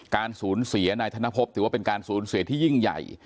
การสูญเสียนายธนพบถือว่าเป็นการสูญเสียที่ยิ่งใหญ่